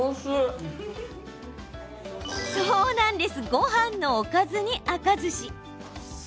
ごはんのおかずに赤ずし。